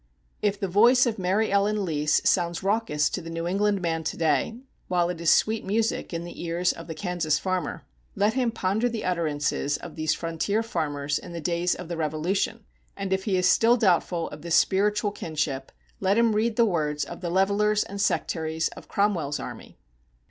If the voice of Mary Ellen Lease sounds raucous to the New England man to day, while it is sweet music in the ears of the Kansas farmer, let him ponder the utterances of these frontier farmers in the days of the Revolution; and if he is still doubtful of this spiritual kinship, let him read the words of the levelers and sectaries of Cromwell's army.